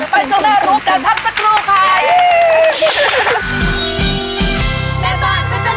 ไปช่วงหน้ารู้กันพักสักครู่ค่ะ